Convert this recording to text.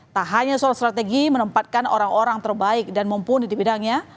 tak hanya soal strategi menempatkan orang orang terbaik dan mumpuni di bidangnya